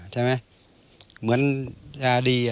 ใช่ไหมเหมือนยาดี